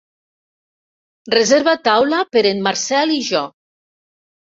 Reserva taula per en Marcel i jo.